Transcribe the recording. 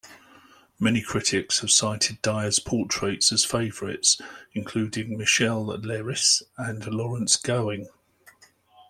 Many critics have cited Dyer's portraits as favourites, including Michel Leiris and Lawrence Gowing.